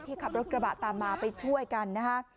ขับรถกระบะตามมาไปช่วยกันนะคะ